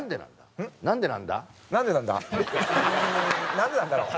なんでなんだろう。